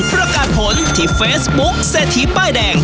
ประกาศผลที่เฟซบุ๊คเศรษฐีป้ายแดง